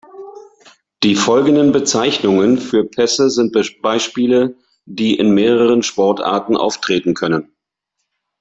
Die folgenden Bezeichnungen für Pässe sind Beispiele, die in mehreren Sportarten auftreten können.